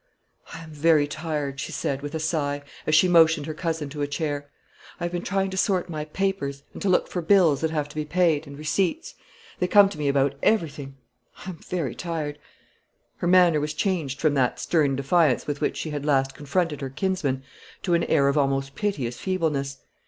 "I am very tired," she said, with a sigh, as she motioned her cousin to a chair. "I have been trying to sort my papers, and to look for bills that have to be paid, and receipts. They come to me about everything. I am very tired." Her manner was changed from that stern defiance with which she had last confronted her kinsman to an air of almost piteous feebleness.